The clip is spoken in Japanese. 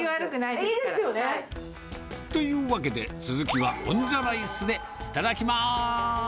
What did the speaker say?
いいですよね。というわけで、続きはオンザライスでいただきます！